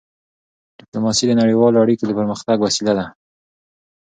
ډیپلوماسي د نړیوالو اړیکو د پرمختګ وسیله ده.